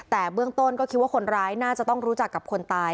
แต่เบื้องต้นก็คิดว่าคนร้ายน่าจะต้องรู้จักกับคนตาย